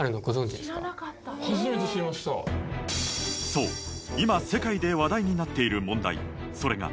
そう今世界で話題になっている問題それが。